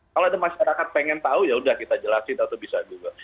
kalau ada masyarakat pengen tahu yaudah kita jelasin atau bisa juga